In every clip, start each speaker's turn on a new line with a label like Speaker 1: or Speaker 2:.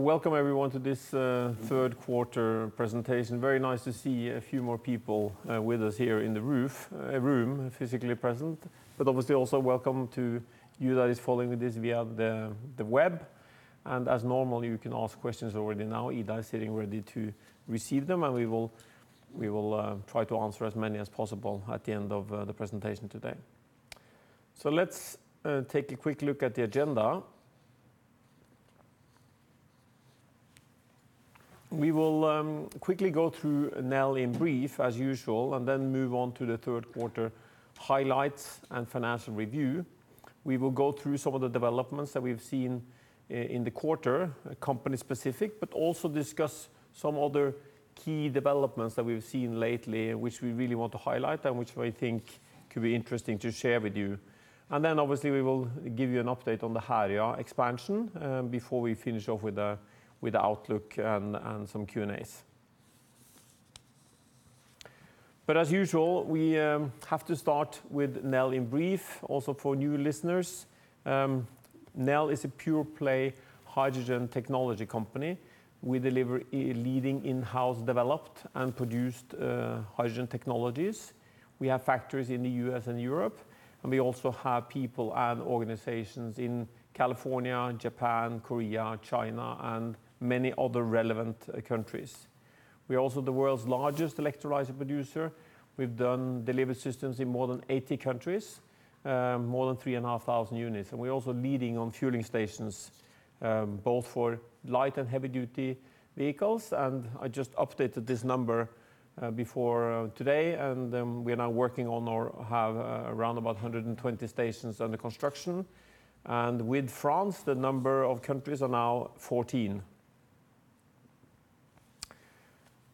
Speaker 1: Welcome everyone to this Third Quarter Presentation. Very nice to see a few more people with us here in the room, physically present, but obviously also welcome to you that is following this via the web. As normal, you can ask questions already now. Ida is sitting ready to receive them, and we will try to answer as many as possible at the end of the presentation today. Let's take a quick look at the agenda. We will quickly go through Nel in brief, as usual, and then move on to the third quarter highlights and financial review. We will go through some of the developments that we've seen in the quarter, company-specific, but also discuss some other key developments that we've seen lately which we really want to highlight and which we think could be interesting to share with you. Obviously we will give you an update on the Herøya expansion, before we finish off with the outlook and some Q&As. As usual, we have to start with Nel in brief, also for new listeners. Nel is a pure-play hydrogen technology company. We deliver leading in-house developed and produced hydrogen technologies. We have factories in the U.S. and Europe, and we also have people and organizations in California, Japan, Korea, China, and many other relevant countries. We're also the world's largest electrolyzer producer. We've delivered systems in more than 80 countries, more than 3,500 units. We're also leading on fueling stations, both for light and heavy-duty vehicles. I just updated this number before today, and we are now working on or have around about 120 stations under construction. With France, the number of countries are now 14.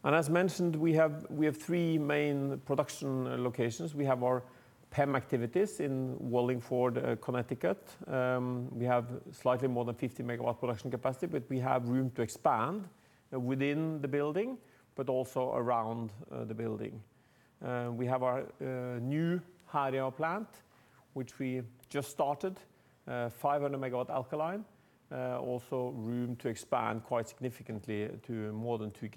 Speaker 1: As mentioned, we have three main production locations. We have our PEM activities in Wallingford, Connecticut. We have slightly more than 50 MW production capacity, but we have room to expand within the building, but also around the building. We have our new Herøya plant, which we just started, 500 MW alkaline also room to expand quite significantly to more than 2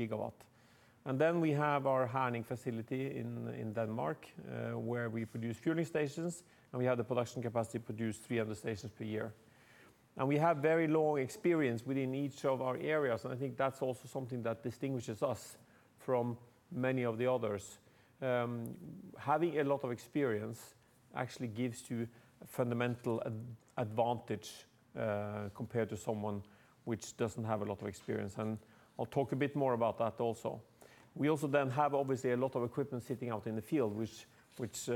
Speaker 1: GW. Then we have our Herning facility in Denmark, where we produce fueling stations, and we have the production capacity to produce 300 stations per year. We have very long experience within each of our areas, and I think that's also something that distinguishes us from many of the others. Having a lot of experience actually gives you a fundamental advantage, compared to someone which doesn't have a lot of experience, and I'll talk a bit more about that also. We also then have obviously a lot of equipment sitting out in the field, which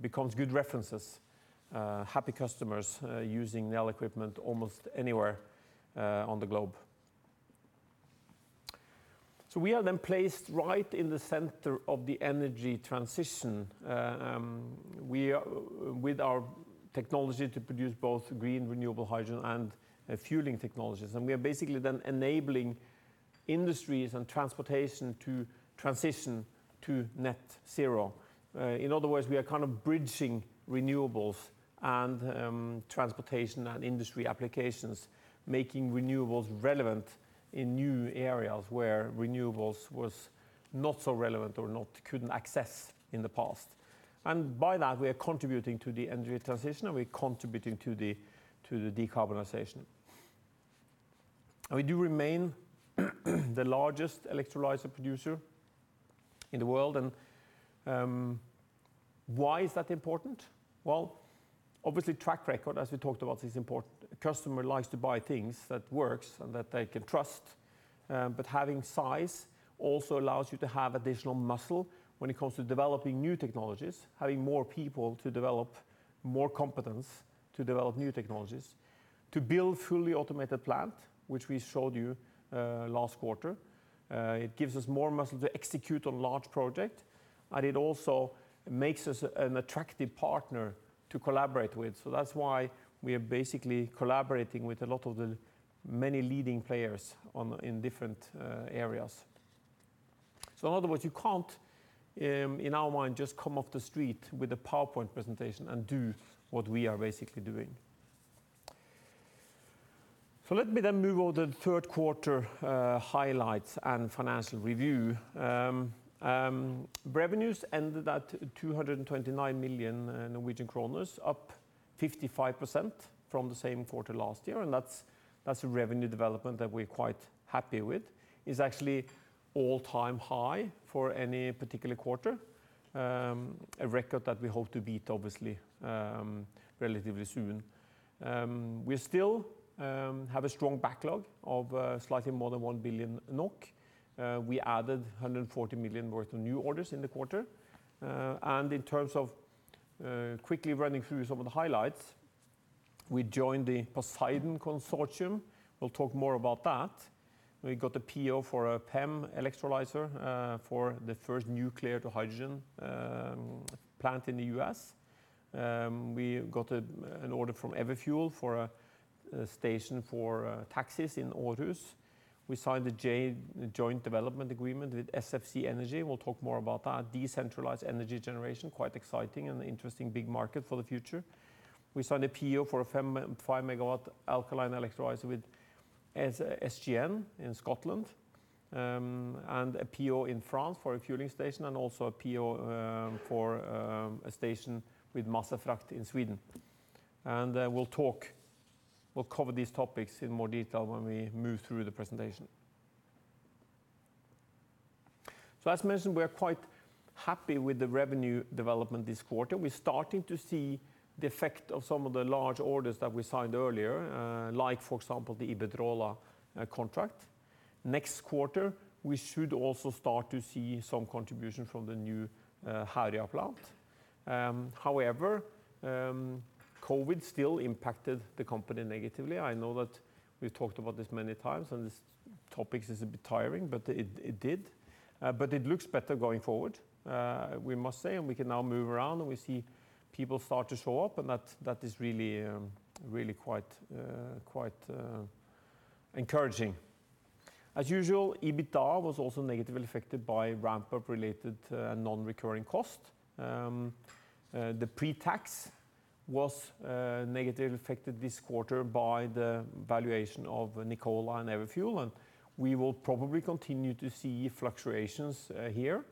Speaker 1: becomes good references, happy customers using Nel equipment almost anywhere on the globe. We are then placed right in the center of the energy transition with our technology to produce both green renewable hydrogen and fueling technologies. We are basically then enabling industries and transportation to transition to net zero. In other words, we are kind of bridging renewables and transportation and industry applications, making renewables relevant in new areas where renewables was not so relevant or couldn't access in the past. By that, we are contributing to the energy transition, and we're contributing to the decarbonization. We do remain the largest electrolyzer producer in the world. Why is that important? Obviously track record, as we talked about, is important. A customer likes to buy things that works and that they can trust. Having size also allows you to have additional muscle when it comes to developing new technologies, having more people to develop more competence to develop new technologies, to build fully automated plant, which we showed you last quarter. It gives us more muscle to execute on large project, and it also makes us an attractive partner to collaborate with. That's why we are basically collaborating with a lot of the many leading players in different areas. In other words, you can't, in our mind, just come off the street with a PowerPoint presentation and do what we are basically doing. Let me then move on to the third quarter highlights and financial review. Revenues ended at 229 million Norwegian kroner, up 55% from the same quarter last year. That's a revenue development that we're quite happy with. It's actually all-time high for any particular quarter, a record that we hope to beat obviously, relatively soon. We still have a strong backlog of slightly more than 1 billion NOK. We added 140 million worth of new orders in the quarter. In terms of quickly running through some of the highlights, we joined the PosHYdon consortium. We'll talk more about that. We got a PO for a PEM electrolyser, for the first nuclear to hydrogen plant in the U.S. We got an order from Everfuel for a station for taxis in Aarhus. We signed a joint development agreement with SFC Energy. We'll talk more about that decentralized energy generation, quite exciting and interesting big market for the future. We signed a PO for a 5 MW alkaline electrolyzer with SGN in Scotland, a PO in France for a fueling station, and also a PO for a station with MaserFrakt in Sweden. We'll cover these topics in more detail when we move through the presentation. As mentioned, we are quite happy with the revenue development this quarter. We're starting to see the effect of some of the large orders that we signed earlier, like for example, the Iberdrola contract. Next quarter, we should also start to see some contribution from the new Herøya plant. However, COVID still impacted the company negatively. I know that we've talked about this many times, and this topic is a bit tiring, but it did. It looks better going forward, we must say, and we can now move around, and we see people start to show up, and that is really quite encouraging. As usual, EBITDA was also negatively affected by ramp-up related non-recurring cost. The pre-tax was negatively affected this quarter by the valuation of Nikola and Everfuel, and we will probably continue to see fluctuations here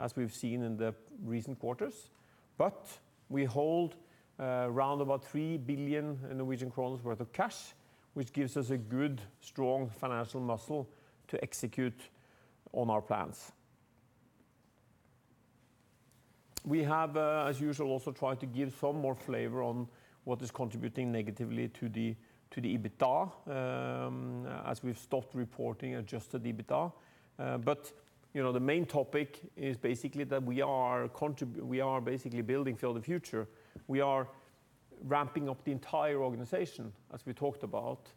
Speaker 1: as we've seen in the recent quarters. We hold around about 3 billion Norwegian kroner worth of cash, which gives us a good, strong financial muscle to execute on our plans. We have, as usual, also tried to give some more flavor on what is contributing negatively to the EBITDA, as we've stopped reporting adjusted EBITDA. The main topic is basically that we are basically building for the future. We are ramping up the entire organization, as we talked about,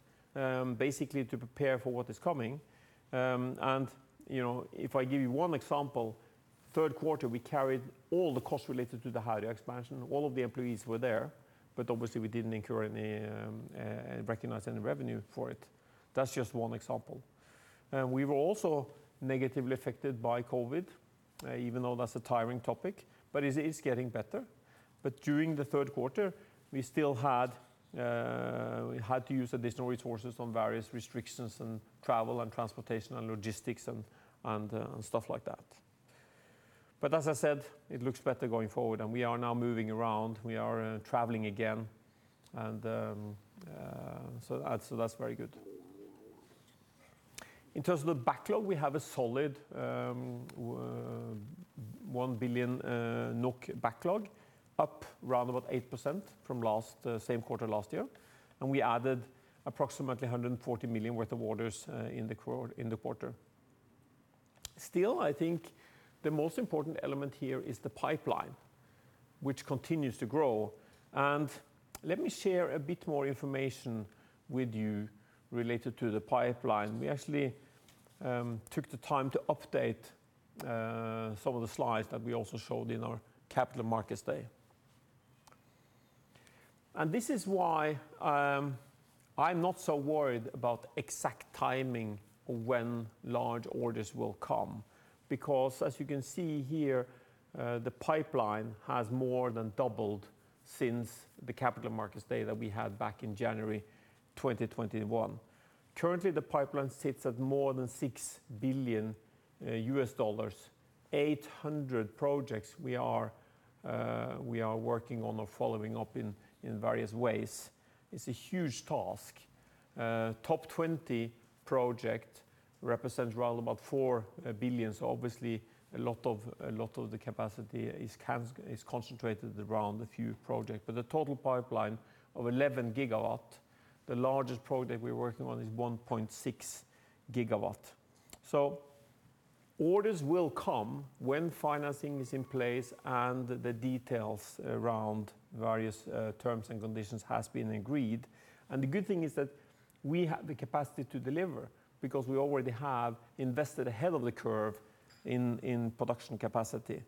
Speaker 1: basically to prepare for what is coming. If I give you 1 example, third quarter, we carried all the costs related to the Herøya expansion. All of the employees were there, but obviously we didn't incur any, recognize any revenue for it. That's just one example. We were also negatively affected by COVID, even though that's a tiring topic, but it's getting better. During the third quarter, we still had to use additional resources on various restrictions and travel and transportation and logistics and stuff like that. As I said, it looks better going forward and we are now moving around. We are traveling again, that's very good. In terms of the backlog, we have a solid 1 billion NOK backlog, up around about 8% from same quarter last year. We added approximately 140 million worth of orders in the quarter. I think the most important element here is the pipeline, which continues to grow. Let me share a bit more information with you related to the pipeline. We actually took the time to update some of the slides that we also showed in our Capital Markets Day. This is why I'm not so worried about exact timing when large orders will come, because as you can see here, the pipeline has more than doubled since the Capital Markets Day that we had back in January 2021. Currently, the pipeline sits at more than $6 billion, 800 projects we are working on or following up in various ways. It's a huge task. Top 20 project represents around about $4 billion. Obviously a lot of the capacity is concentrated around a few projects. The total pipeline of 11 GW, the largest project we are working on is 1.6 GW. Orders will come when financing is in place and the details around various terms and conditions has been agreed. The good thing is that we have the capacity to deliver because we already have invested ahead of the curve in production capacity.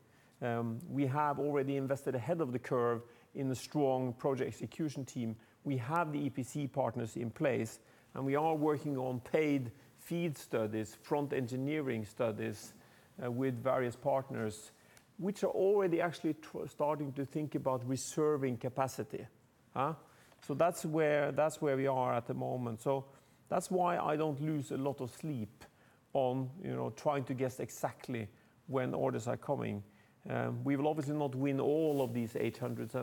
Speaker 1: We have already invested ahead of the curve in the strong project execution team. We have the EPC partners in place, and we are working on paid FEED studies, front-engineering studies, with various partners, which are already actually starting to think about reserving capacity. That's where we are at the moment. That's why I don't lose a lot of sleep on trying to guess exactly when orders are coming. We will obviously not win all of these 800,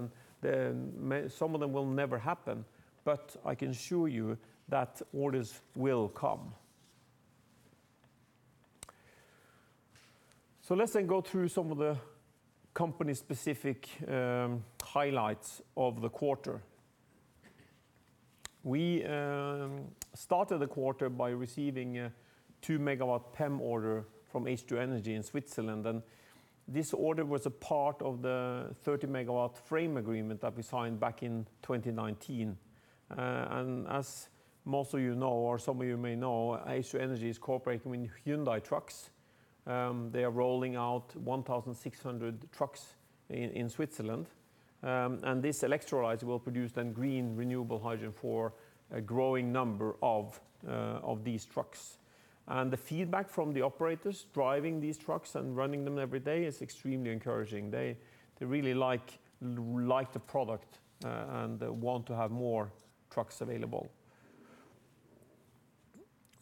Speaker 1: and some of them will never happen, but I can assure you that orders will come. Let's then go through some of the company's specific highlights of the quarter. We started the quarter by receiving a 2 MW PEM order from H2 Energy in Switzerland. This order was a part of the 30 MW frame agreement that we signed back in 2019. As most of you know, or some of you may know, H2 Energy is cooperating with Hyundai Trucks. They are rolling out 1,600 trucks in Switzerland. This electrolyzer will produce then green renewable hydrogen for a growing number of these trucks. The feedback from the operators driving these trucks and running them every day is extremely encouraging. They really like the product and want to have more trucks available.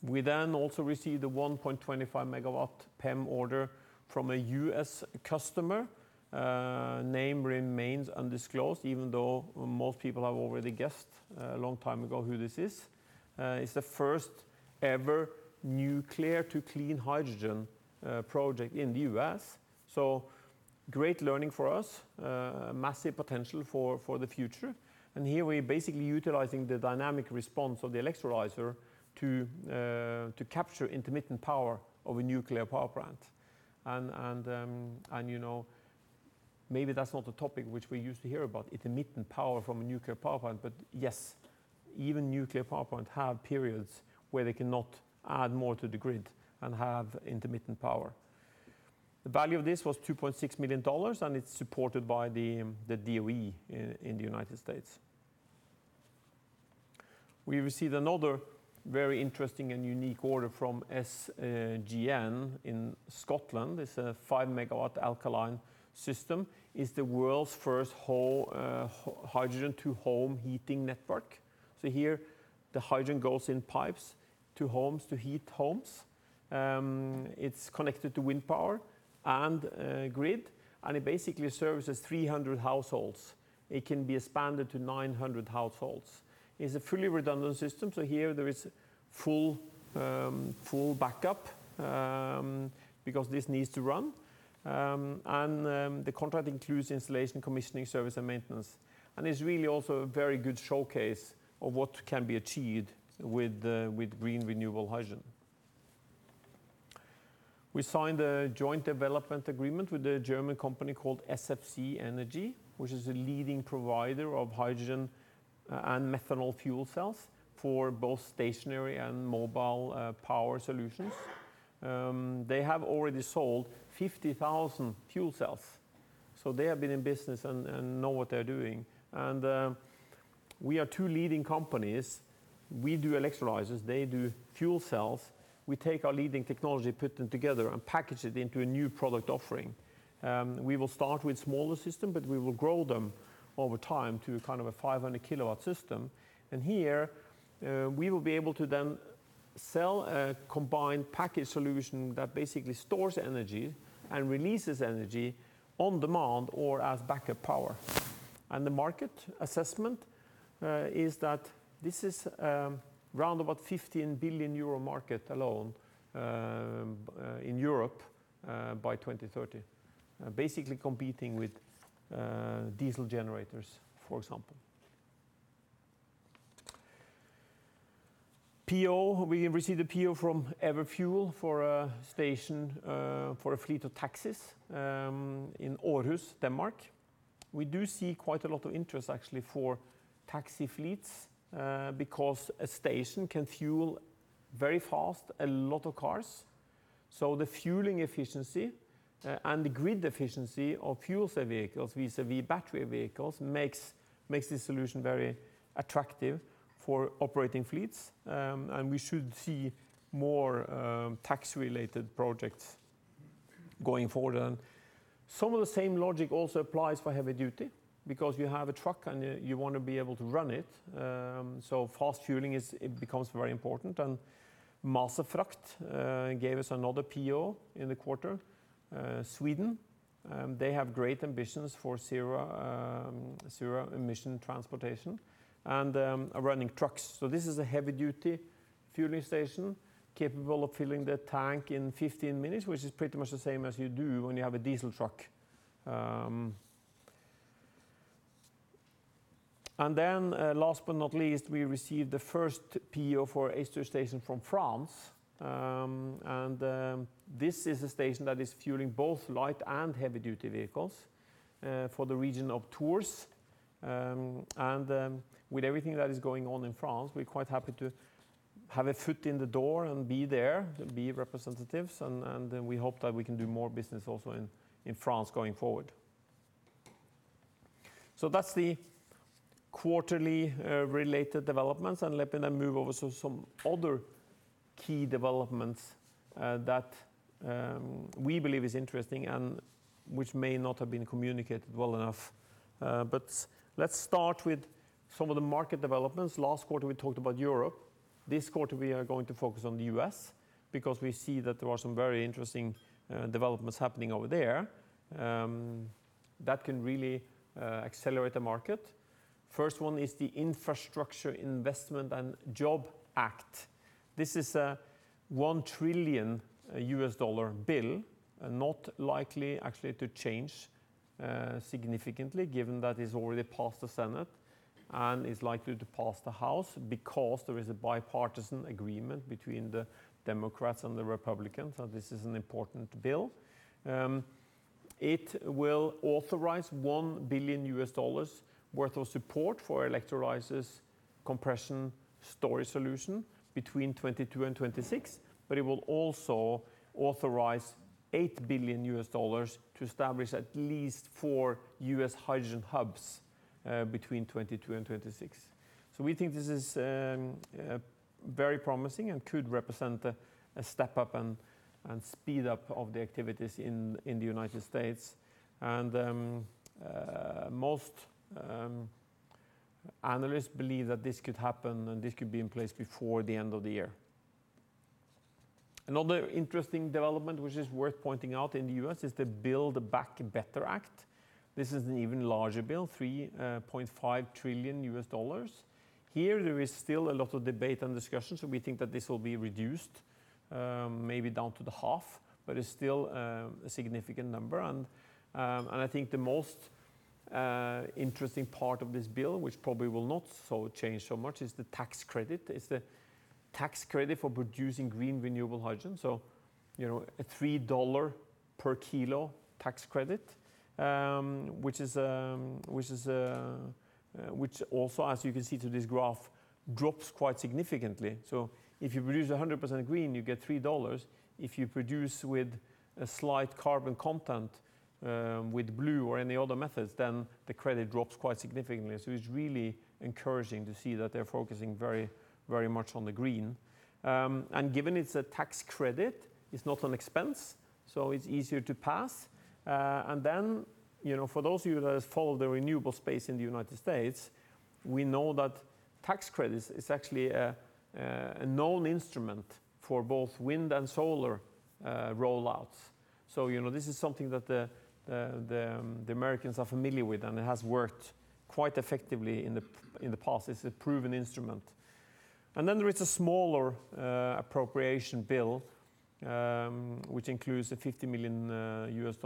Speaker 1: We also received a 1.25 MW PEM order from a U.S. customer. Name remains undisclosed, even though most people have already guessed a long time ago who this is. It's the first-ever nuclear to clean hydrogen project in the U.S. Great learning for us. Massive potential for the future. Here we're basically utilizing the dynamic response of the electrolyzer to capture intermittent power of a nuclear power plant. Maybe that's not a topic which we're used to hearing about, intermittent power from a nuclear power plant. Yes, even nuclear power plants have periods where they cannot add more to the grid and have intermittent power. The value of this was $2.6 million, and it's supported by the DOE in the United States. We received another very interesting and unique order from SGN in Scotland. It's a 5 MW alkaline system. It's the world's first hydrogen to home heating network. Here the hydrogen goes in pipes to heat homes. It's connected to wind power and grid, and it basically services 300 households. It can be expanded to 900 households. It's a fully redundant system, so here there is full backup because this needs to run. The contract includes installation, commissioning, service, and maintenance. It's really also a very good showcase of what can be achieved with green renewable hydrogen. We signed a joint development agreement with a German company called SFC Energy, which is a leading provider of hydrogen and methanol fuel cells for both stationary and mobile power solutions. They have already sold 50,000 fuel cells, so they have been in business and know what they're doing. We are two leading companies. We do electrolyzers, they do fuel cells. We take our leading technology, put them together, and package it into a new product offering. We will start with smaller systems, but we will grow them over time to a 500 kW system. Here we will be able to then sell a combined package solution that basically stores energy and releases energy on demand or as backup power. The market assessment is that this is around about a 15 billion euro market alone in Europe by 2030. Basically competing with diesel generators, for example. PO, we received a PO from Everfuel for a station for a fleet of taxis in Aarhus, Denmark. We do see quite a lot of interest actually for taxi fleets, because a station can fuel very fast a lot of cars. The fueling efficiency and the grid efficiency of fuel cell vehicles vis-à-vis battery vehicles makes this solution very attractive for operating fleets. We should see more taxi-related projects going forward. Some of the same logic also applies for heavy duty because you have a truck and you want to be able to run it. Fast fueling, it becomes very important. MaserFrakt gave us another PO in the quarter. Sweden. They have great ambitions for zero emission transportation and running trucks. This is a heavy-duty fueling station capable of filling the tank in 15 minutes, which is pretty much the same as you do when you have a diesel truck. Then last but not least, we received the first PO for H2 station from France. This is a station that is fueling both light and heavy-duty vehicles for the region of Tours. With everything that is going on in France, we're quite happy to have a foot in the door and be there, be representatives, and we hope that we can do more business also in France going forward. That's the quarterly related developments, let me then move over to some other key developments that we believe is interesting and which may not have been communicated well enough. Let's start with some of the market developments. Last quarter, we talked about Europe. This quarter, we are going to focus on the U.S. because we see that there are some very interesting developments happening over there that can really accelerate the market. First one is the Infrastructure Investment and Jobs Act. This is a $1 trillion bill, not likely actually to change significantly given that it's already passed the Senate and is likely to pass the House because there is a bipartisan agreement between the Democrats and the Republicans that this is an important bill. It will authorize $1 billion U.S. worth of support for electrolysis compression storage solution between 2022 and 2026, it will also authorize $8 billion U.S. to establish at least four U.S. hydrogen hubs between 2022 and 2026. We think this is very promising and could represent a step up and speed up of the activities in the U.S. Most analysts believe that this could happen, and this could be in place before the end of the year. Another interesting development which is worth pointing out in the U.S. is the Build Back Better Act. This is an even larger bill, $3.5 trillion U.S. Here, there is still a lot of debate and discussion, so we think that this will be reduced, maybe down to the half, but it's still a significant number. I think the most interesting part of this bill, which probably will not change so much, is the tax credit. It's the tax credit for producing green renewable hydrogen, so a $3 per kilo tax credit, which also, as you can see to this graph, drops quite significantly. If you produce 100% green, you get $3. If you produce with a slight carbon content, with blue or any other methods, then the credit drops quite significantly. It's really encouraging to see that they're focusing very much on the green. Given it's a tax credit, it's not an expense, so it's easier to pass. For those of you that follow the renewable space in the U.S., we know that tax credits is actually a known instrument for both wind and solar rollouts. This is something that the Americans are familiar with, and it has worked quite effectively in the past. It's a proven instrument. There is a smaller appropriation bill, which includes a $50 million U.S.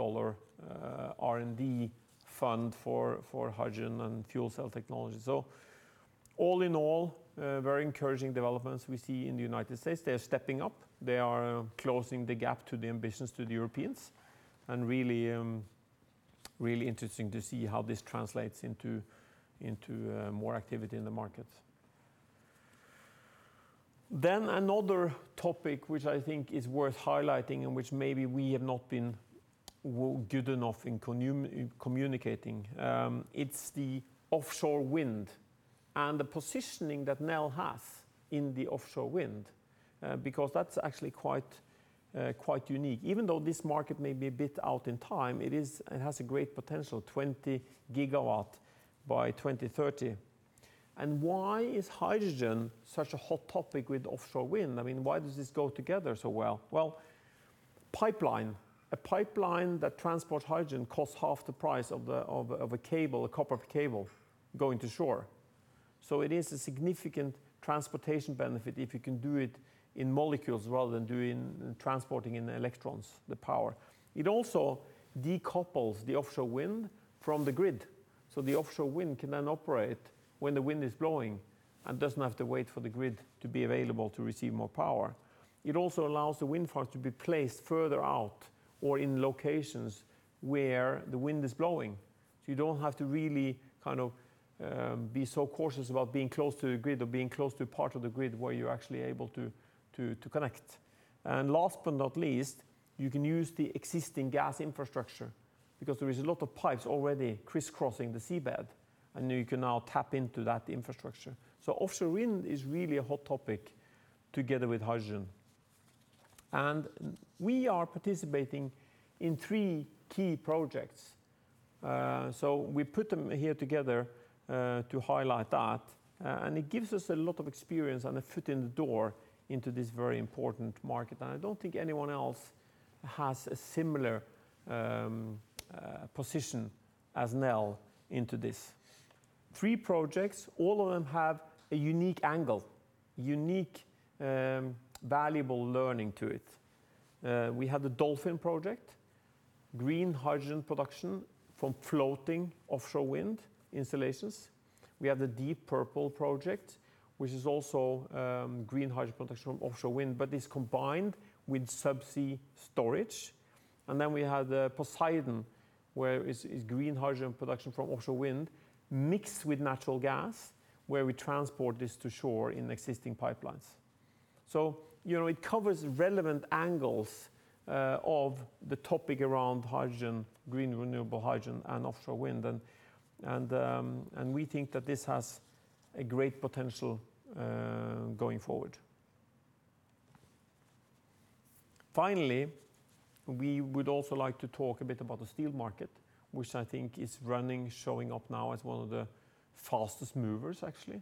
Speaker 1: R&D fund for hydrogen and fuel cell technology. All in all, very encouraging developments we see in the U.S. They are stepping up. They are closing the gap to the ambitions to the Europeans, and really interesting to see how this translates into more activity in the market. Another topic which I think is worth highlighting and which maybe we have not been good enough in communicating, it's the offshore wind and the positioning that Nel has in the offshore wind, because that's actually quite unique. Even though this market may be a bit out in time, it has a great potential, 20 GW by 2030. Why is hydrogen such a hot topic with offshore wind? Why does this go together so well? Well, pipeline. A pipeline that transports hydrogen costs half the price of a copper cable going to shore. It is a significant transportation benefit if you can do it in molecules rather than transporting in electrons, the power. It also decouples the offshore wind from the grid, so the offshore wind can then operate when the wind is blowing and doesn't have to wait for the grid to be available to receive more power. It also allows the wind farms to be placed further out or in locations where the wind is blowing, so you don't have to really be so cautious about being close to the grid or being close to a part of the grid where you're actually able to connect. Last but not least, you can use the existing gas infrastructure because there is a lot of pipes already crisscrossing the seabed, and you can now tap into that infrastructure. Offshore wind is really a hot topic together with hydrogen. We are participating in three key projects. We put them here together to highlight that, and it gives us a lot of experience and a foot in the door into this very important market. I don't think anyone else has a similar position as Nel into this. Three projects, all of them have a unique angle, unique valuable learning to it. We have the Dolphyn project, green hydrogen production from floating offshore wind installations. We have the Deep Purple project, which is also green hydrogen production from offshore wind, but it's combined with subsea storage. Then we have the PosHYdon, where it's green hydrogen production from offshore wind mixed with natural gas, where we transport this to shore in existing pipelines. It covers relevant angles of the topic around hydrogen, green renewable hydrogen, and offshore wind, and we think that this has a great potential going forward. We would also like to talk a bit about the steel market, which I think is showing up now as one of the fastest movers, actually,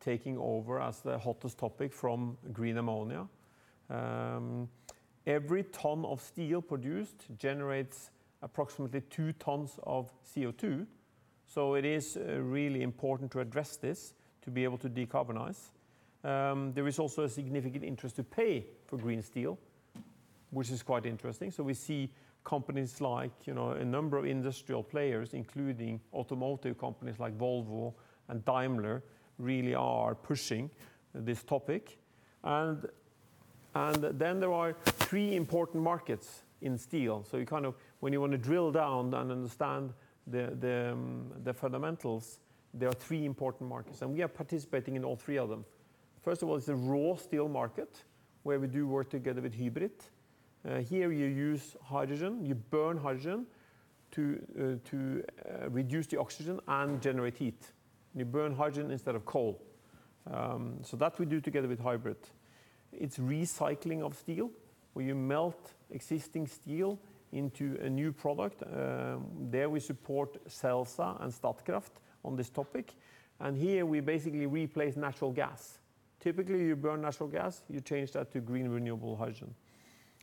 Speaker 1: taking over as the hottest topic from green ammonia. Every ton of steel produced generates approximately 2 tons of CO2, it is really important to address this to be able to decarbonize. There is also a significant interest to pay for green steel, which is quite interesting. We see companies like a number of industrial players, including automotive companies like Volvo and Daimler, really are pushing this topic. Then there are three important markets in steel. When you want to drill down and understand the fundamentals, there are three important markets, we are participating in all three of them. First of all, it's the raw steel market, where we do work together with HYBRIT. Here you use hydrogen, you burn hydrogen to reduce the oxygen and generate heat. You burn hydrogen instead of coal. That we do together with HYBRIT. It's recycling of steel, where you melt existing steel into a new product. There we support Celsa and Statkraft on this topic. Here we basically replace natural gas. Typically, you burn natural gas, you change that to green renewable hydrogen.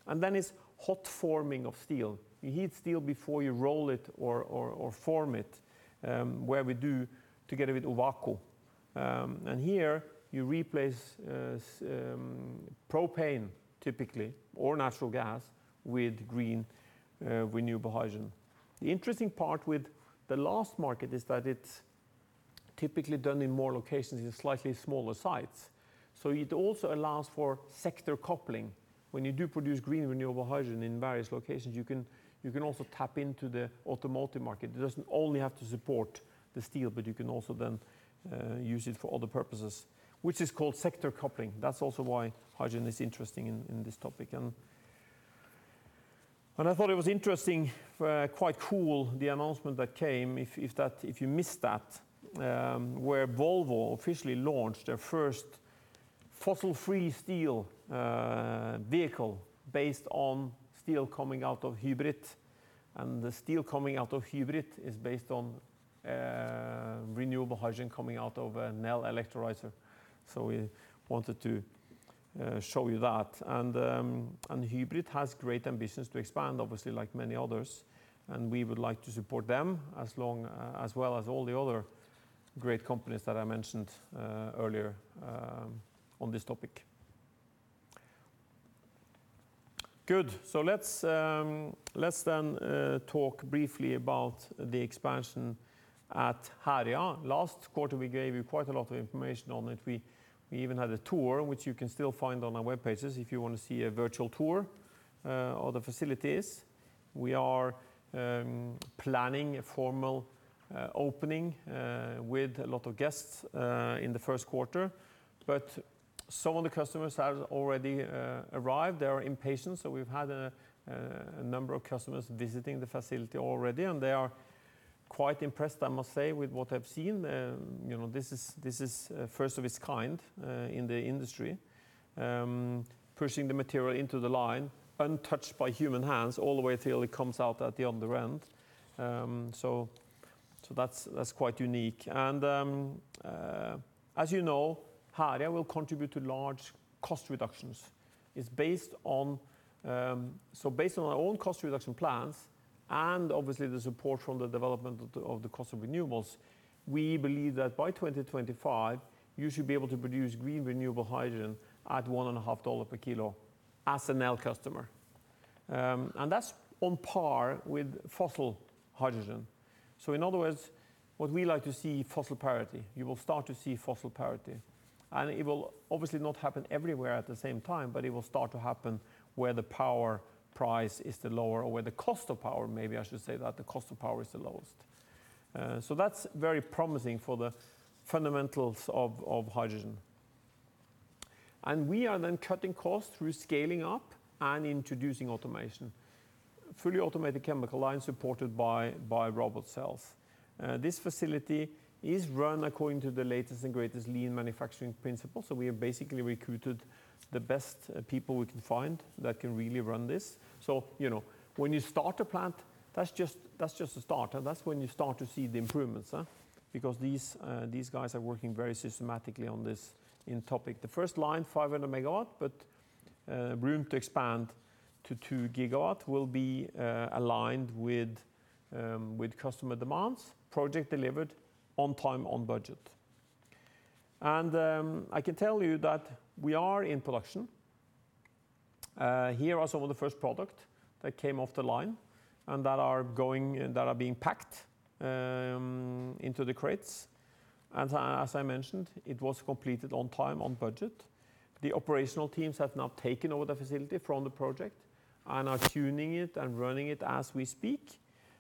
Speaker 1: It's hot forming of steel. You heat steel before you roll it or form it, where we do together with Ovako. Here you replace propane typically, or natural gas, with green renewable hydrogen. The interesting part with the last market is that it's typically done in more locations in slightly smaller sites. It also allows for sector coupling. When you do produce green renewable hydrogen in various locations, you can also tap into the automotive market. It doesn't only have to support the steel, but you can also then use it for other purposes, which is called sector coupling. That's also why hydrogen is interesting in this topic. I thought it was interesting, quite cool, the announcement that came, if you missed that, where Volvo officially launched their first fossil free steel vehicle based on steel coming out of HYBRIT. The steel coming out of HYBRIT is based on renewable hydrogen coming out of a Nel electrolyzer. We wanted to show you that. HYBRIT has great ambitions to expand, obviously, like many others, and we would like to support them, as well as all the other great companies that I mentioned earlier on this topic. Good. Let's then talk briefly about the expansion at Herøya. Last quarter, we gave you quite a lot of information on it. We even had a tour, which you can still find on our webpages if you want to see a virtual tour of the facilities. We are planning a formal opening with a lot of guests in the first quarter, but some of the customers have already arrived. They are impatient, so we've had a number of customers visiting the facility already, and they are quite impressed, I must say, with what they've seen. This is first of its kind in the industry, pushing the material into the line, untouched by human hands all the way till it comes out at the other end. That's quite unique. As you know, Herøya will contribute to large cost reductions. Based on our own cost reduction plans and obviously the support from the development of the cost of renewables, we believe that by 2025, you should be able to produce green renewable hydrogen at $1.5 per kilo as a Nel customer. That's on par with fossil hydrogen. In other words, what we like to see, fossil parity. You will start to see fossil parity. It will obviously not happen everywhere at the same time, but it will start to happen where the power price is the lower or where the cost of power, maybe I should say that, the cost of power is the lowest. That's very promising for the fundamentals of hydrogen. We are then cutting costs through scaling up and introducing automation. Fully automated chemical line supported by robot cells. This facility is run according to the latest and greatest lean manufacturing principles. We have basically recruited the best people we can find that can really run this. When you start a plant, that's just a start. That's when you start to see the improvements. Because these guys are working very systematically on this topic. The first line, 500 MW, but room to expand to 2 GW will be aligned with customer demands. Project delivered on time, on budget. I can tell you that we are in production. Here are some of the first product that came off the line and that are being packed into the crates. As I mentioned, it was completed on time, on budget. The operational teams have now taken over the facility from the project and are tuning it and running it as we speak.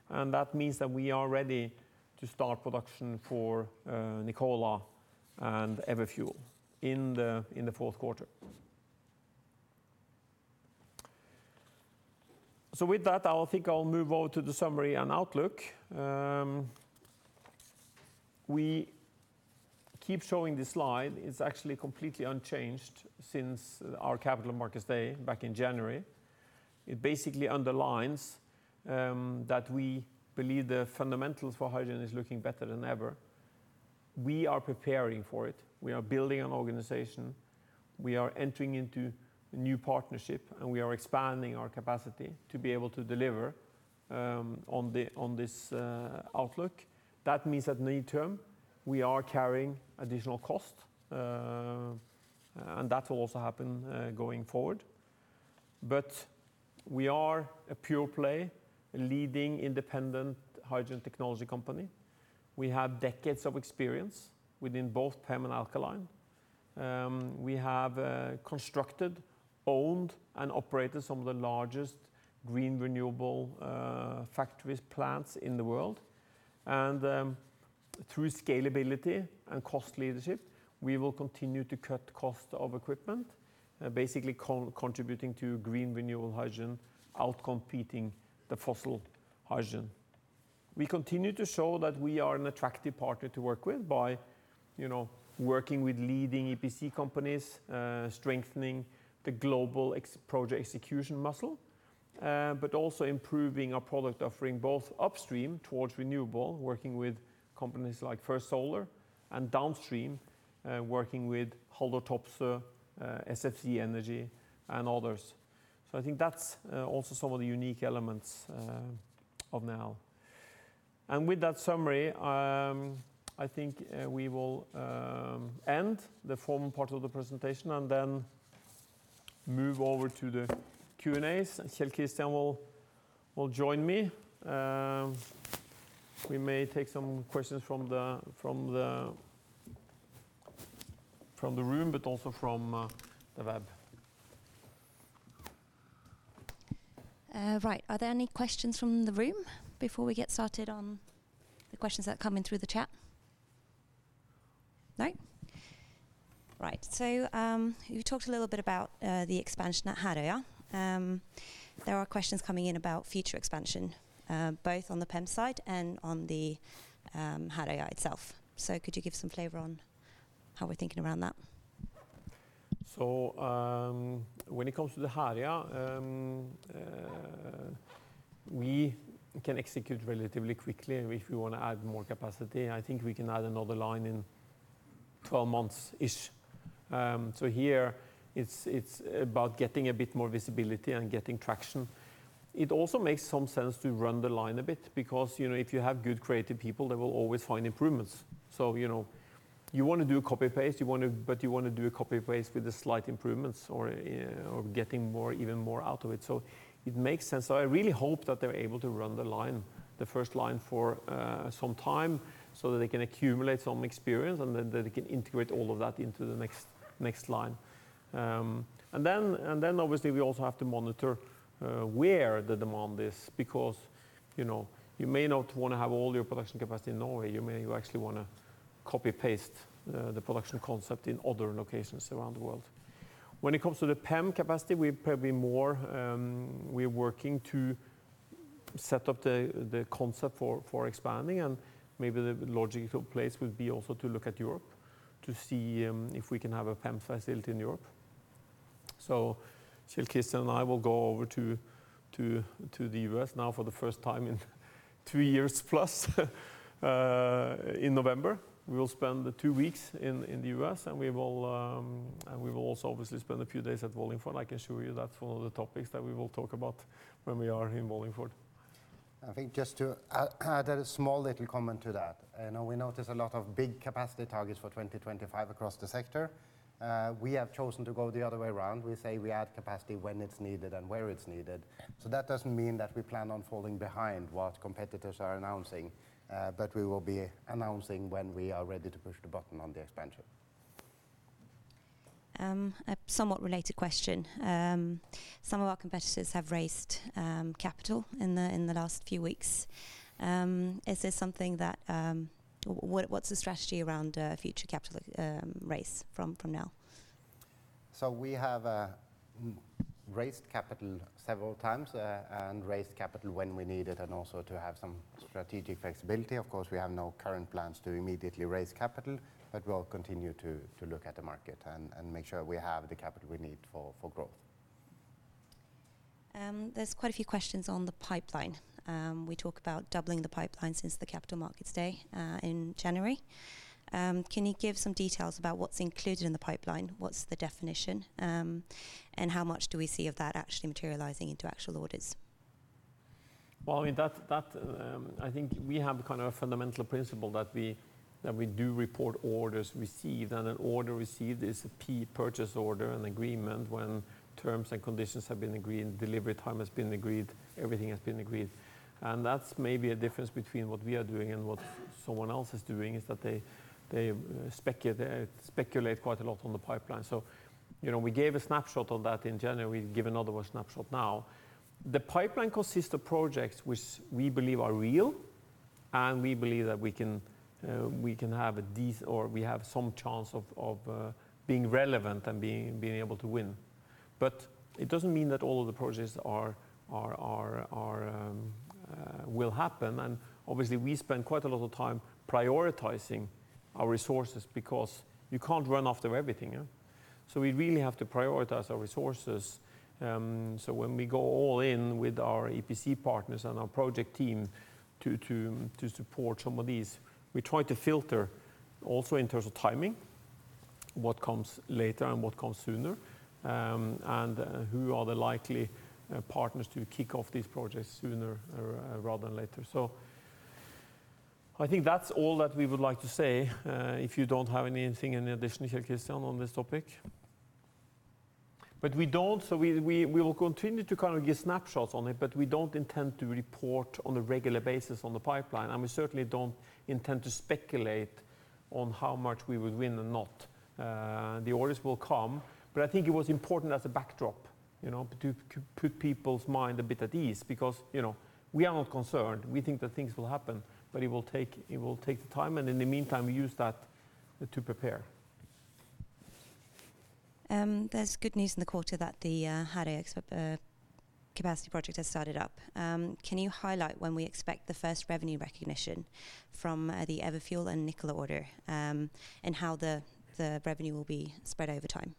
Speaker 1: That means that we are ready to start production for Nikola and Everfuel in the fourth quarter. With that, I think I'll move on to the summary and outlook. We keep showing this slide. It's actually completely unchanged since our Capital Markets Day back in January. It basically underlines that we believe the fundamentals for hydrogen is looking better than ever. We are preparing for it. We are building an organization. We are entering into new partnership, and we are expanding our capacity to be able to deliver on this outlook. That means that near term, we are carrying additional cost, and that will also happen going forward. We are a pure play, leading independent hydrogen technology company. We have decades of experience within both PEM and alkaline. We have constructed, owned, and operated some of the largest green renewable factories, plants in the world. Through scalability and cost leadership, we will continue to cut cost of equipment, basically contributing to green renewable hydrogen, out-competing the fossil hydrogen. We continue to show that we are an attractive partner to work with by working with leading EPC companies, strengthening the global project execution muscle, but also improving our product offering both upstream towards renewable, working with companies like First Solar and downstream, working with Topsoe, SFC Energy, and others. I think that's also some of the unique elements of Nel. With that summary, I think we will end the formal part of the presentation and then move over to the Q&As, and Kjell Christian will join me. We may take some questions from the room, but also from the web.
Speaker 2: Right. Are there any questions from the room before we get started on the questions that come in through the chat? No? Right. You talked a little bit about the expansion at Herøya. There are questions coming in about future expansion, both on the PEM side and on the Herøya itself. Could you give some flavor on how we're thinking around that?
Speaker 1: When it comes to the Herøya, we can execute relatively quickly if we want to add more capacity. I think we can add another line in 12 months-ish. Here it's about getting a bit more visibility and getting traction. It also makes some sense to run the line a bit because, if you have good creative people, they will always find improvements. You want to do copy-paste, but you want to do a copy-paste with the slight improvements or getting even more out of it. It makes sense. I really hope that they're able to run the line, the first line for some time so that they can accumulate some experience, and then they can integrate all of that into the next line. Obviously we also have to monitor where the demand is because you may not want to have all your production capacity in Norway. You may actually want to copy-paste the production concept in other locations around the world. When it comes to the PEM capacity, we're working to set up the concept for expanding, and maybe the logical place would be also to look at Europe to see if we can have a PEM facility in Europe. Kjell Christian and I will go over to the U.S. now for the first time in three years plus, in November. We will spend two weeks in the U.S., and we will also obviously spend a few days at Wallingford. I can assure you that's one of the topics that we will talk about when we are in Wallingford.
Speaker 3: I think just to add a small little comment to that. I know we notice a lot of big capacity targets for 2025 across the sector. We have chosen to go the other way around. We say we add capacity when it's needed and where it's needed. That doesn't mean that we plan on falling behind what competitors are announcing, but we will be announcing when we are ready to push the button on the expansion.
Speaker 2: A somewhat related question. Some of our competitors have raised capital in the last few weeks. What's the strategy around future capital raise from now?
Speaker 3: We have raised capital several times, and raised capital when we need it and also to have some strategic flexibility. Of course, we have no current plans to immediately raise capital, but will continue to look at the market and make sure we have the capital we need for growth.
Speaker 2: There's quite a few questions on the pipeline. We talk about doubling the pipeline since the Capital Markets Day, in January. Can you give some details about what's included in the pipeline, what's the definition, and how much do we see of that actually materializing into actual orders?
Speaker 1: Well, I think we have a fundamental principle that we do report orders received, and an order received is a fleet purchase order, an agreement when terms and conditions have been agreed, delivery time has been agreed, everything has been agreed. That's maybe a difference between what we are doing and what someone else is doing, is that they speculate quite a lot on the pipeline. We gave a snapshot of that in January. We give another snapshot now. The pipeline consists of projects which we believe are real, and we believe that we have some chance of being relevant and being able to win. It doesn't mean that all of the projects will happen, and obviously we spend quite a lot of time prioritizing our resources because you can't run after everything, yeah. We really have to prioritize our resources, so when we go all in with our EPC partners and our project team to support some of these, we try to filter also in terms of timing, what comes later and what comes sooner, and who are the likely partners to kick off these projects sooner rather than later. I think that's all that we would like to say. If you don't have anything additional here, Christian, on this topic? We don't. We will continue to give snapshots on it, but we don't intend to report on a regular basis on the pipeline, and we certainly don't intend to speculate on how much we would win or not. The orders will come, but I think it was important as a backdrop to put people's mind a bit at ease because we are not concerned. We think that things will happen. It will take time and in the meantime, we use that to prepare.
Speaker 2: There's good news in the quarter that the capacity project has started up. Can you highlight when we expect the first revenue recognition from the Everfuel and Nikola order, and how the revenue will be spread over time?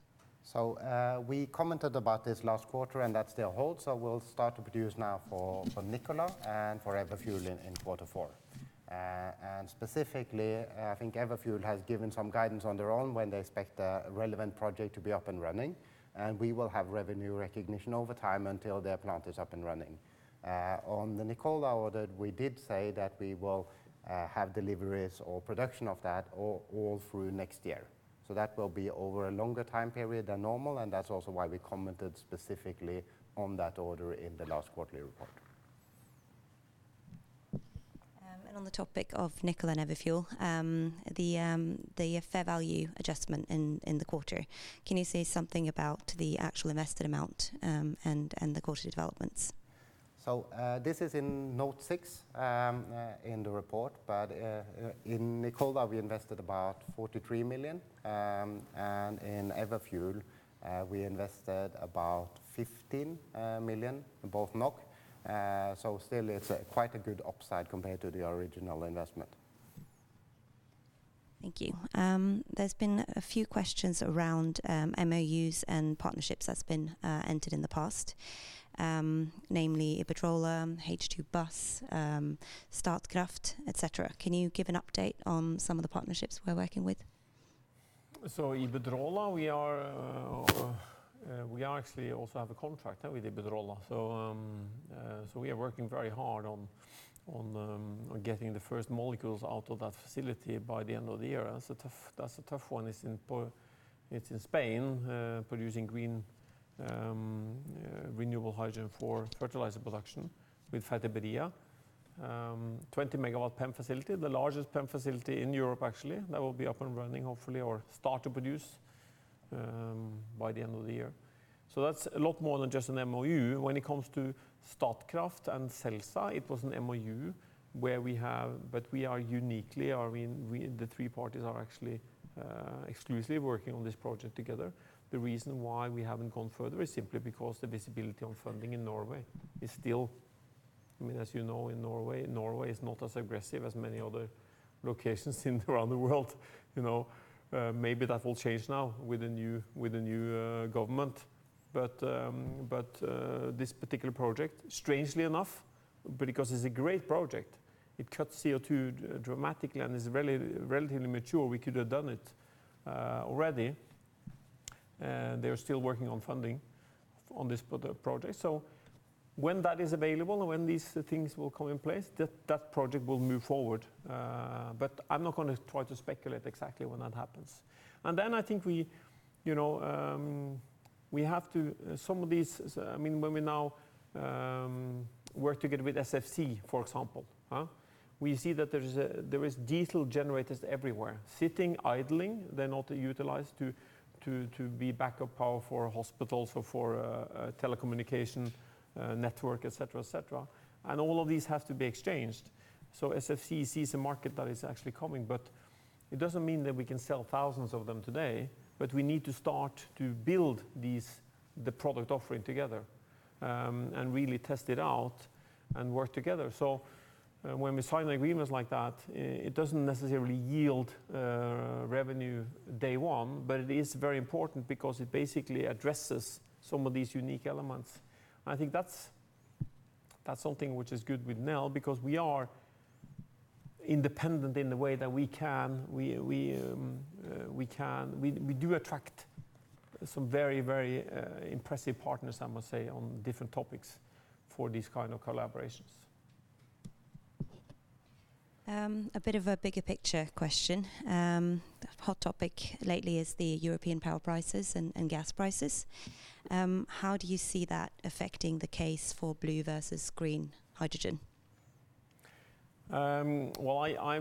Speaker 3: We commented about this last quarter, and that still holds. We'll start to produce now for Nikola and for Everfuel in quarter four. Specifically, I think Everfuel has given some guidance on their own when they expect the relevant project to be up and running, and we will have revenue recognition over time until their plant is up and running. On the Nikola order, we did say that we will have deliveries or production of that all through next year. That will be over a longer time period than normal, and that's also why we commented specifically on that order in the last quarterly report.
Speaker 2: On the topic of Nikola and Everfuel, the fair value adjustment in the quarter, can you say something about the actual invested amount, and the quarter developments?
Speaker 3: This is in note 6, in the report. In Nikola, we invested about 43 million, and in Everfuel, we invested about 15 million, both NOK. Still it's quite a good upside compared to the original investment.
Speaker 2: Thank you. There's been a few questions around MOUs and partnerships that's been entered in the past. Namely, Iberdrola, H2Bus, Statkraft, et cetera. Can you give an update on some of the partnerships we're working with?
Speaker 1: Iberdrola, we actually also have a contract with Iberdrola. We are working very hard on getting the first molecules out of that facility by the end of the year. That's a tough one. It's in Spain, producing green renewable hydrogen for fertilizer production with Fertiberia. 20 MW PEM facility, the largest PEM facility in Europe, actually. That will be up and running hopefully, or start to produce by the end of the year. That's a lot more than just an MOU. When it comes to Statkraft and Celsa, it was an MOU where we have, but we are uniquely, the three parties are actually exclusively working on this project together. The reason why we haven't gone further is simply because the visibility on funding in Norway is still, as you know, in Norway is not as aggressive as many other locations around the world. Maybe that will change now with the new government. This particular project, strangely enough, because it's a great project, it cuts CO2 dramatically and is relatively mature, we could have done it already. They're still working on funding on this project. When that is available and when these things will come in place, that project will move forward. I'm not going to try to speculate exactly when that happens. I think when we now work together with SFC, for example. We see that there is diesel generators everywhere sitting, idling. They're not utilized to be backup power for hospitals or for telecommunication network, et cetera. All of these have to be exchanged. SFC sees a market that is actually coming, but it doesn't mean that we can sell thousands of them today. We need to start to build the product offering together, and really test it out and work together. When we sign agreements like that, it doesn't necessarily yield revenue day one, but it is very important because it basically addresses some of these unique elements. I think that's something which is good with Nel because we are independent in the way that we do attract some very impressive partners, I must say, on different topics for these kind of collaborations.
Speaker 2: A bit of a bigger picture question. The hot topic lately is the European power prices and gas prices. How do you see that affecting the case for blue versus green hydrogen?
Speaker 1: Well, I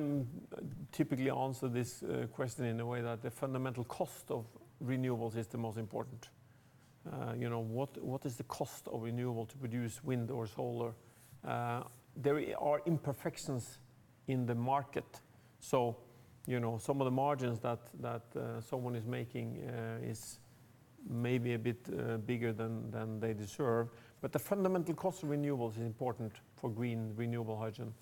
Speaker 1: typically answer this question in a way that the fundamental cost of renewables is the most important. What is the cost of renewable to produce wind or solar? There are imperfections in the market. Some of the margins that someone is making is maybe a bit bigger than they deserve. The fundamental cost of renewables is important for green renewable hydrogen.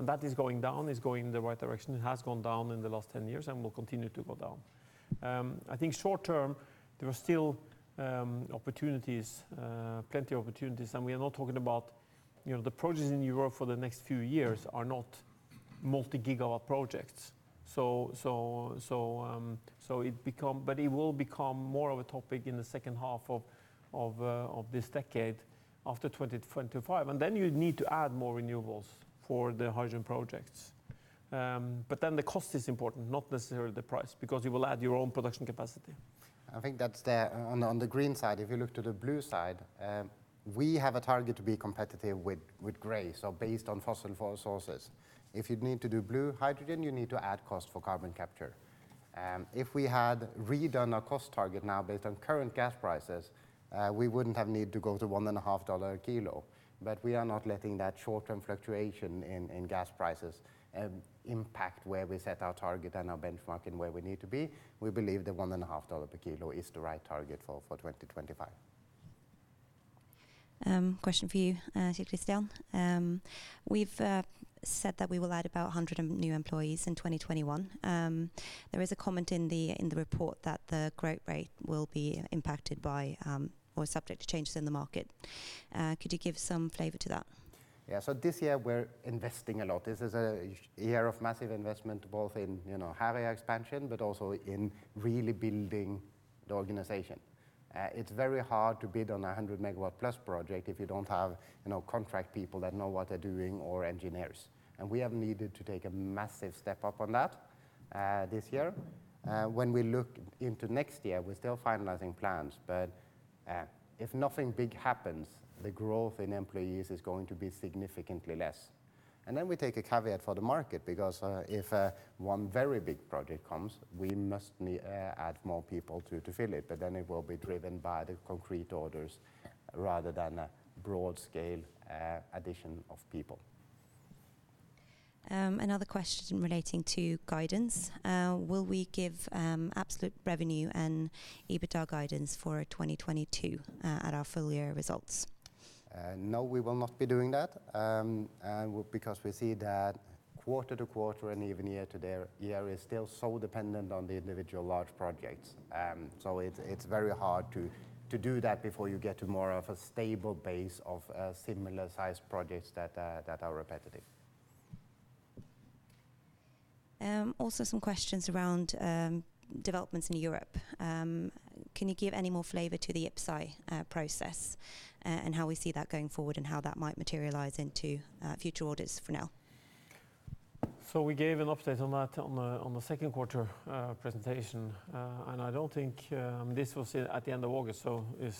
Speaker 1: That is going down, is going in the right direction. It has gone down in the last 10 years and will continue to go down. I think short term, there are still plenty of opportunities, and we are not talking about the projects in Europe for the next few years are not multi-gigawatt projects. It will become more of a topic in the second half of this decade after 2025, and then you need to add more renewables for the hydrogen projects. The cost is important, not necessarily the price, because you will add your own production capacity.
Speaker 3: I think that's there on the green side. If you look to the blue side, we have a target to be competitive with gray, so based on fossil fuel sources. If you'd need to do blue hydrogen, you need to add cost for carbon capture. If we had redone our cost target now based on current gas prices, we wouldn't have needed to go to $1.50 a kilo. We are not letting that short-term fluctuation in gas prices impact where we set our target and our benchmark and where we need to be. We believe that $1.50 per kilo is the right target for 2025.
Speaker 2: Question for you, Kjell Christian. We've said that we will add about 100 new employees in 2021. There is a comment in the report that the growth rate will be impacted by or subject to changes in the market. Could you give some flavor to that?
Speaker 3: This year we're investing a lot. This is a year of massive investment, both in area expansion, but also in really building the organization. It's very hard to bid on 100 MW-plus project if you don't have contract people that know what they're doing or engineers. We have needed to take a massive step up on that this year. When we look into next year, we're still finalizing plans, but if nothing big happens, the growth in employees is going to be significantly less. We take a caveat for the market because, if one very big project comes, we must add more people to fill it, but then it will be driven by the concrete orders rather than a broad scale addition of people.
Speaker 2: Another question relating to guidance. Will we give absolute revenue and EBITDA guidance for 2022 at our full-year results?
Speaker 3: No, we will not be doing that. We see that quarter-to-quarter and even year-to-year is still so dependent on the individual large projects. It's very hard to do that before you get to more of a stable base of similar-sized projects that are repetitive.
Speaker 2: Some questions around developments in Europe. Can you give any more flavor to the IPCEI process and how we see that going forward and how that might materialize into future orders for Nel?
Speaker 1: We gave an update on that on the second quarter presentation. This was at the end of August.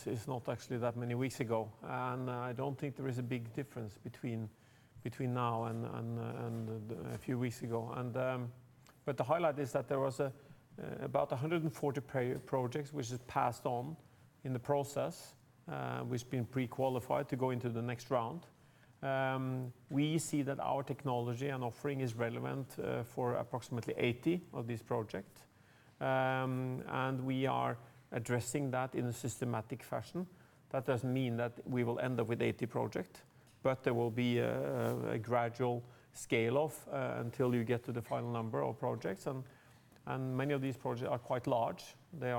Speaker 1: It's not actually that many weeks ago. I don't think there is a big difference between now and a few weeks ago. The highlight is that there was about 140 projects which has passed on in the process, which been pre-qualified to go into the next round. We see that our technology and offering is relevant for approximately 80 of these project. We are addressing that in a systematic fashion. That doesn't mean that we will end up with 80 project. There will be a gradual scale-off until you get to the final number of projects. Many of these projects are quite large. They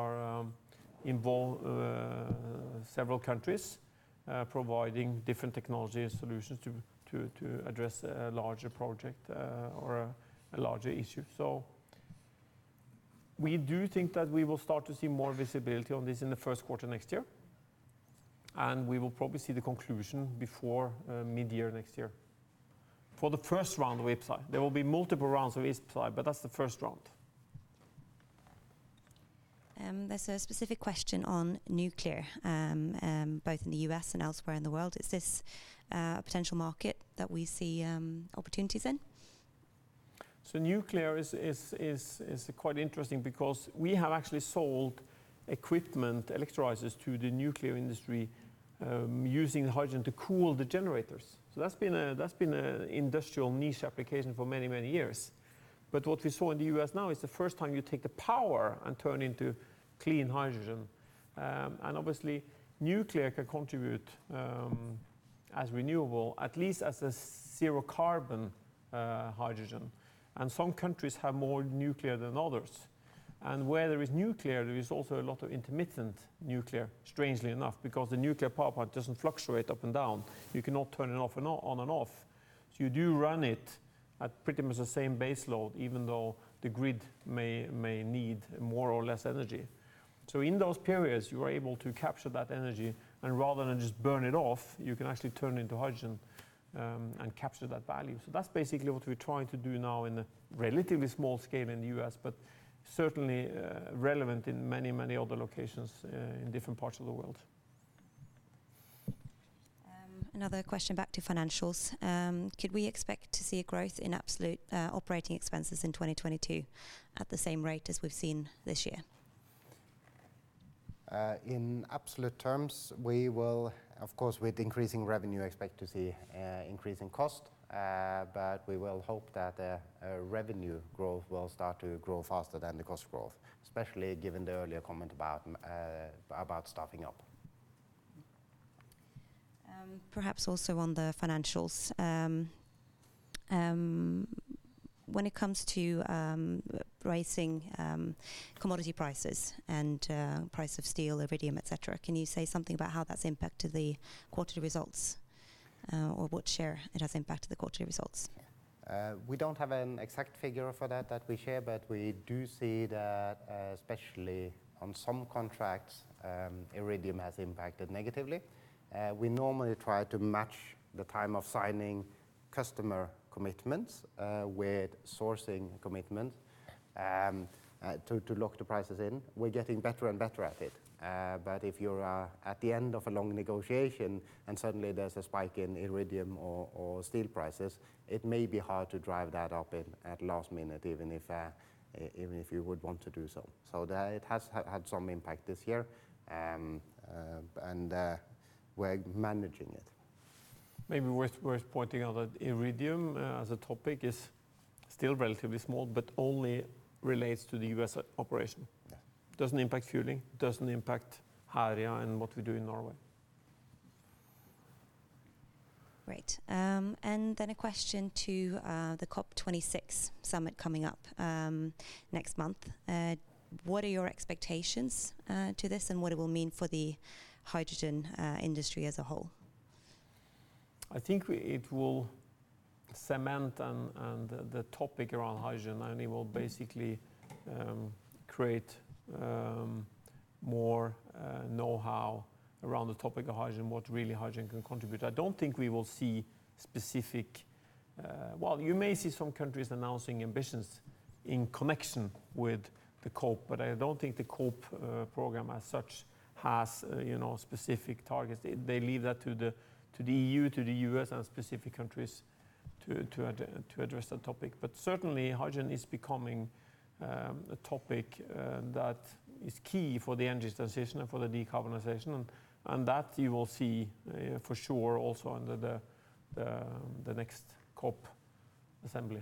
Speaker 1: involve several countries providing different technologies solutions to address a larger project or a larger issue. We do think that we will start to see more visibility on this in the first quarter next year, and we will probably see the conclusion before mid-year next year. For the first round of IPCEI. There will be multiple rounds of IPCEI, but that's the first round.
Speaker 2: There's a specific question on nuclear, both in the U.S. and elsewhere in the world. Is this a potential market that we see opportunities in?
Speaker 1: Nuclear is quite interesting because we have actually sold equipment, electrolyzers, to the nuclear industry using hydrogen to cool the generators. That's been an industrial niche application for many, many years. What we saw in the U.S. now is the first time you take the power and turn into clean hydrogen. Obviously nuclear can contribute as renewable, at least as a zero carbon hydrogen. Some countries have more nuclear than others. Where there is nuclear, there is also a lot of intermittent nuclear, strangely enough, because the nuclear power plant doesn't fluctuate up and down. You cannot turn it on and off. You do run it at pretty much the same base load, even though the grid may need more or less energy. In those periods, you are able to capture that energy, and rather than just burn it off, you can actually turn into hydrogen and capture that value. That's basically what we're trying to do now in a relatively small scale in the U.S., but certainly relevant in many other locations in different parts of the world.
Speaker 2: Another question back to financials. Could we expect to see a growth in absolute operating expenses in 2022 at the same rate as we've seen this year?
Speaker 3: In absolute terms, we will, of course, with increasing revenue, expect to see increasing cost. We will hope that revenue growth will start to grow faster than the cost growth, especially given the earlier comment about staffing up.
Speaker 2: Perhaps also on the financials. Rising commodity prices and price of steel, iridium, et cetera, can you say something about how that's impacted the quarterly results? What share it has impacted the quarterly results?
Speaker 3: We don't have an exact figure for that we share, but we do see that especially on some contracts, iridium has impacted negatively. We normally try to match the time of signing customer commitments with sourcing commitment to lock the prices in. We're getting better and better at it. If you're at the end of a long negotiation and suddenly there's a spike in iridium or steel prices, it may be hard to drive that up in at last minute, even if you would want to do so. That it has had some impact this year. We're managing it.
Speaker 1: Maybe worth pointing out that iridium, as a topic, is still relatively small, but only relates to the U.S. operation.
Speaker 3: Yeah.
Speaker 1: Doesn't impact fueling, doesn't impact Herøya and what we do in Norway.
Speaker 2: Great. Then a question to the COP26 summit coming up next month. What are your expectations to this and what it will mean for the hydrogen industry as a whole?
Speaker 1: I think it will cement and the topic around hydrogen, and it will basically create more know-how around the topic of hydrogen, what really hydrogen can contribute. I don't think we will see Well, you may see some countries announcing ambitions in connection with the COP, but I don't think the COP program as such has specific targets. They leave that to the EU, to the U.S., and specific countries to address that topic. Certainly, hydrogen is becoming a topic that is key for the energy transition and for the decarbonization. That you will see for sure also under the next COP assembly.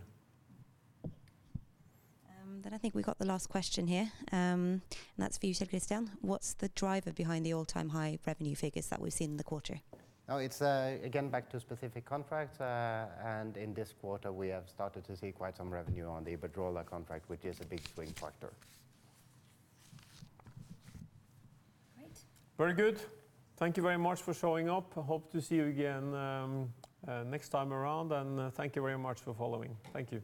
Speaker 2: I think we got the last question here, and that's for you, Kjell Christian. What's the driver behind the all-time high revenue figures that we've seen in the quarter?
Speaker 3: It's again back to specific contracts. In this quarter we have started to see quite some revenue on the Iberdrola contract, which is a big swing factor.
Speaker 2: Great.
Speaker 1: Very good. Thank you very much for showing up. I hope to see you again next time around, and thank you very much for following. Thank you.